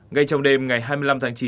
ngày trong đêm ngày hai mươi năm tháng chín